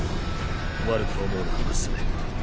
悪く思うな娘。